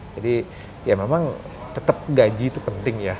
jadi ya memang tetep gaji itu penting ya